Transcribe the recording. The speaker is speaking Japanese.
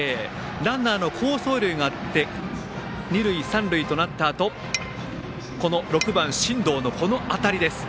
ランナーの好走塁があって二塁三塁となったあとこの６番、進藤のこの当たりです。